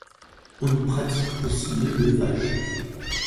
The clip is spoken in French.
On y pratique aussi l'élevage.